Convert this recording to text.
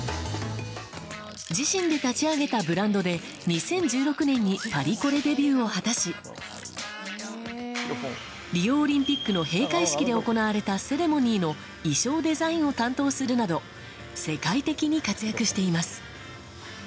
自身で立ち上げたブランドで２０１６年にパリコレデビューを果たしリオオリンピックの閉会式で行われたセレモニーの衣装デザインを担当するなど世界的に活躍しています。